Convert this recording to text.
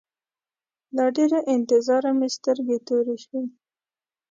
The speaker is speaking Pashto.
له ډېره انتظاره مې سترګې تورې شوې.